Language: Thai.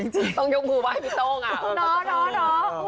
ต้องยกหูไว้พี่โต้งอะ